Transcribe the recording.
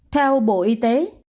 theo bộ y tế